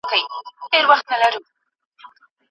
که تدریس ګډون ته بلنه ورکړي، زده کوونکی نه منزوي کېږي.